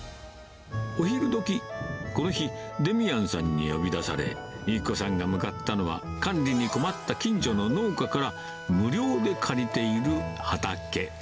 お昼どき、この日、デミアンさんに呼び出され、由希子さんが向かったのは、管理に困った近所の農家から無料で借りている畑。